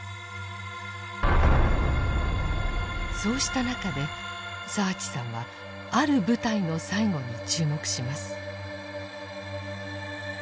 そうした中で澤地さんはある部隊の最期に注目します。